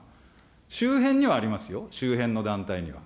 周辺にはありますよ、周辺の団体には。